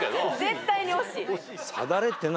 絶対に惜しい。